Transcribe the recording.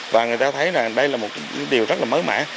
và người ta thấy là đây là một điều rất là mới mẻ